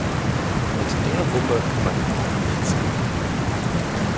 Mit der Wumme kann man überhaupt nicht zielen.